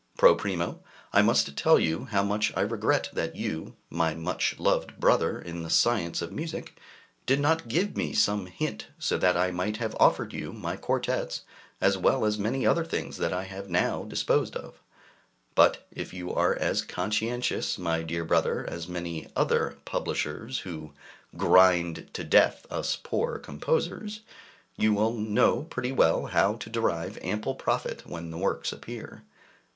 Pro primo, I must tell you how much I regret that you, my much loved brother in the science of music, did not give me some hint, so that I might have offered you my quartets, as well as many other things that I have now disposed of. But if you are as conscientious, my dear brother, as many other publishers, who grind to death us poor composers, you will know pretty well how to derive ample profit when the works appear.